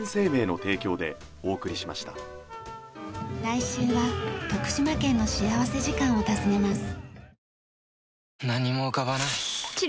来週は徳島県の幸福時間を訪ねます。